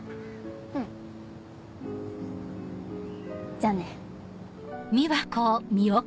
じゃあね。